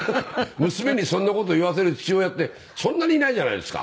娘にそんな事言わせる父親ってそんなにいないじゃないですか。